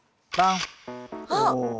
あっ！